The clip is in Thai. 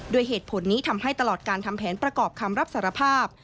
เหตุผลนี้ทำให้ตลอดการทำแผนประกอบคำรับสารภาพ